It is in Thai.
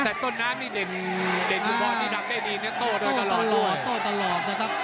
แต่ต้นน้ำนี่เด่นดับได้ดีโตตลอดโตตลอด